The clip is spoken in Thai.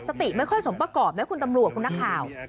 สติไม่ค่อยสมประกอบนะคุณตำรวจคุณนักข่าว